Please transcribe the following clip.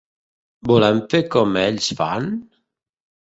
Volem fer com ells fan?